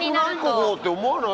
ここ」って思わない？